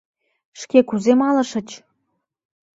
Шке кузе малышыч?